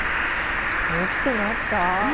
大きくなった！ね！